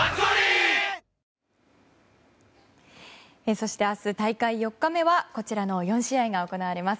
そして明日大会４日目はこちらの４試合が行われます。